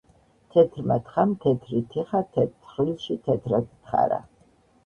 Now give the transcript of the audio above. თეთრმა თხამ თეთრი თიხა თეთრ თხრილში თეთრად თხარა.